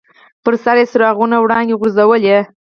پر سر یې څراغونو وړانګې غورځولې.